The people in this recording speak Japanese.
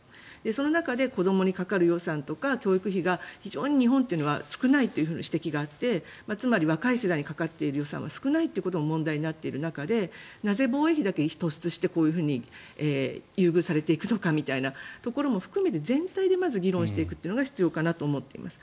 その中で子どもにかかる予算とか教育費が非常に日本というのは少ないという指摘があってつまり若い世代にかかっている予算が少ないとなっているのが問題になっている中でなぜ、防衛費だけ突出して優遇されていくのかということも含めて全体でまず議論していくのが必要かなと思っています。